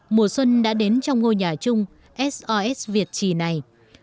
mùa xuân đã đến trong ngôi nhà chung msos việt tri này